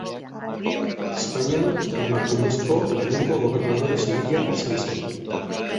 Espainian emakumezko lehenengo gobernadore zibila izan zen.